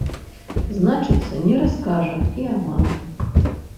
Значыцца, не раскажа і аман.